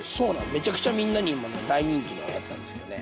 めちゃくちゃみんなにもね大人気のやつなんですよね。